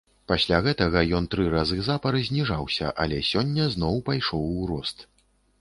Пасля гэтага ён тры разы запар зніжаўся, але сёння зноў пайшоў у рост.